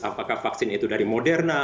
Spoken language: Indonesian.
apakah vaksin itu dari moderna